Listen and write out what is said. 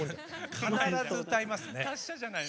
必ず歌いますね。